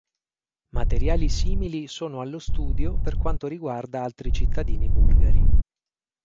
Materiali simili sono allo studio per quanto riguarda altri cittadini bulgari.